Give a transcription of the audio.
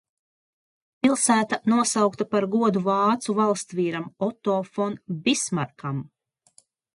Pilsēta nosaukta par godu vācu valstsvīram Oto fon Bismarkam.